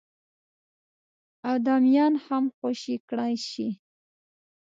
اعدامیان هم خوشي کړای شي.